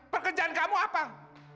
apa pekerjaan kamu pak